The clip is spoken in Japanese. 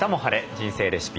人生レシピ」